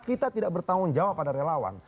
kita tidak bertanggung jawab pada relawan